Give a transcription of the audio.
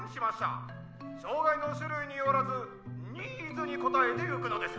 障害の種類によらずニーズに応えてゆくのです。